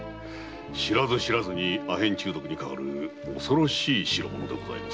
知らず知らずに阿片中毒にかかる恐ろしい代物でございます。